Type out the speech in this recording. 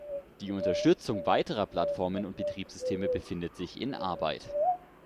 Die Unterstützung weiterer Plattformen und Betriebssysteme befindet sich in Arbeit.